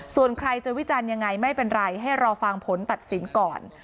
ส่วนใครจะวิจารณ์ยังไงไม่เป็นไรให้รอฟังผลตัดสินก่อน